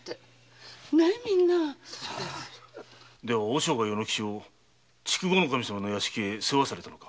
では和尚が与之吉を筑後守様の屋敷に世話されたのか？